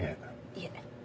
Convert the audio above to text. いえ。